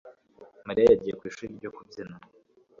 Mariya yagiye ku ishuri ryo kubyina